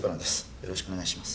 よろしくお願いします